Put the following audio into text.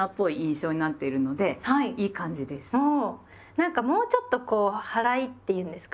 なんかもうちょっとこう「はらい」って言うんですか。